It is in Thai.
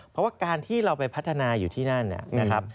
เพราะว่าการที่เราไปพัฒนาอยู่ที่นั่นนะครับ